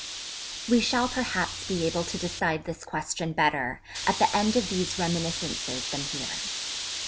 We shall perhaps be able to decide this question better at the end of these reminiscences than here.